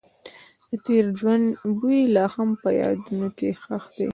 د تېر ژوند بوی لا هم په یادونو کې ښخ دی.